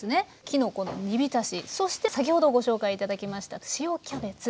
きのこの煮びたしそして先ほどご紹介頂きました塩キャベツ。